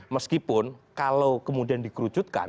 meskipun kalau kemudian dikerucutkan